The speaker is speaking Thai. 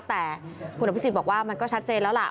แต่คุณอภิษฎบอกว่ามันก็ชัดเจนแล้วล่ะ